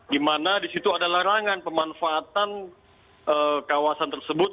di mana di situ ada larangan pemanfaatan kawasan tersebut